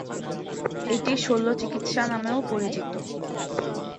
এটি শল্যচিকিৎসা নামেও পরিচিত।